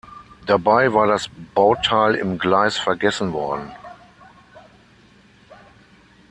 Dabei war das Bauteil im Gleis vergessen worden.